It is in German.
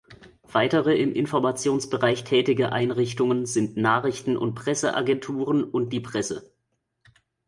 Weitere im Informationsbereich tätige Einrichtungen sind Nachrichten- und Presseagenturen und die Presse.